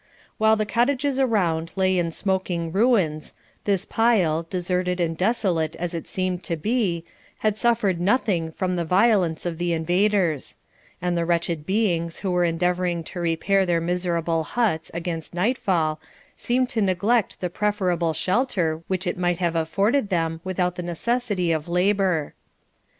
While the cottages around lay in smoking ruins, this pile, deserted and desolate as it seemed to be, had suffered nothing from the violence of the invaders; and the wretched beings who were endeavouring to repair their miserable huts against nightfall seemed to neglect the preferable shelter which it might have afforded them without the necessity of labour.